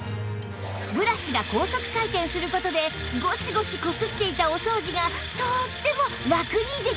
ブラシが高速回転する事でゴシゴシこすっていたお掃除がとってもラクにできるんです